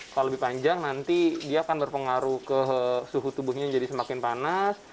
kalau lebih panjang nanti dia akan berpengaruh ke suhu tubuhnya jadi semakin panas